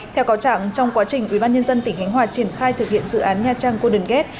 theo cáo trạng trong quá trình ủy ban nhân dân tỉnh khánh hòa triển khai thực hiện dự án nha trang côn đường ghét